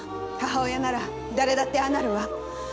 母親なら誰だってああなるわ。